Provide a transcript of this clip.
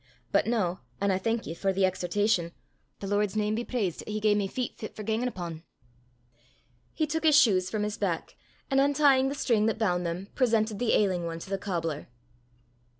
But noo, an' I thank ye for the exhortation, the Lord's name be praist 'at he gae me feet fit for gangin' upo'!" He took his shoes from his back, and untying the string that bound them, presented the ailing one to the cobbler.